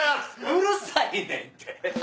うるさいねんって。